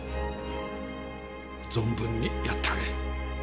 存分にやってくれ。